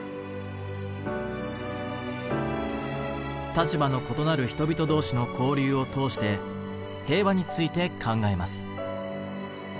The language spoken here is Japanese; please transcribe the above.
立場の異なる人々同士の交流を通して平和について考えます。